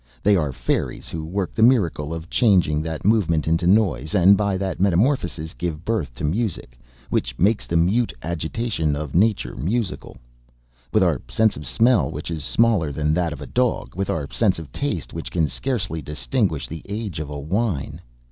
They are fairies who work the miracle of changing that movement into noise, and by that metamorphosis give birth to music, which makes the mute agitation of nature musical ... with our sense of smell which is smaller than that of a dog ... with our sense of taste which can scarcely distinguish the age of a wine!